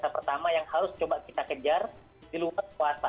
yang pertama yang harus kita kejar di luar puasa